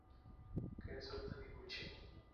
Kenzo Taniguchi